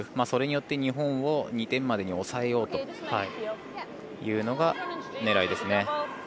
それによって日本を２点までに抑えようというのが狙いですね。